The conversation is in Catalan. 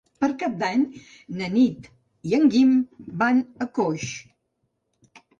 Per Cap d'Any na Nit i en Guim van a Coix.